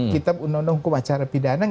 kitab undang undang hukum acara pidana